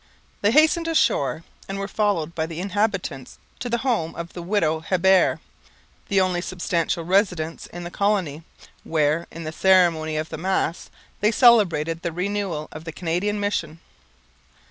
They hastened ashore; and were followed by the inhabitants to the home of the widow Hebert, the only substantial residence in the colony, where, in the ceremony of the Mass, they celebrated the renewal of the Canadian mission.